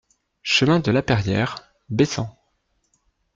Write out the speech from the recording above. Chemin de Lapeyriere, Bessens